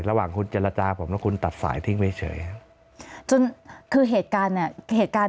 ระหว่างคุณเจรจาผมแล้วคุณตัดสายทิ้งเฉยจนคือเหตุการณ์เนี่ยเหตุการณ์